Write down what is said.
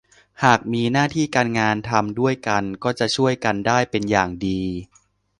หากมีหน้าที่การงานทำด้วยกันก็จะช่วยกันได้เป็นอย่างดี